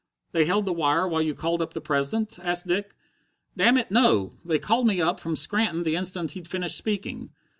"They held the wire while you called up the President?" asked Dick. "Damn it, no! They called me up from Scranton the instant he'd finished speaking.